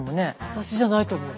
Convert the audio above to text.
私じゃないと思う。